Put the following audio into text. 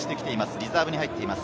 リザーブに入っています。